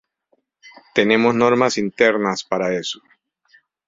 Tenemos normas internas para eso.